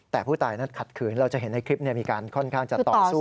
แต่ผู้ตายนั้นขัดขืนเราจะเห็นในคลิปมีการค่อนข้างจะต่อสู้